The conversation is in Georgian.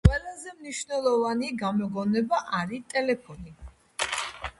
ყველაზე მნიშვნელოვანი გამოგონება არი ტელეფონი